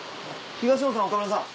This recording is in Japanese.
東野さん岡村さん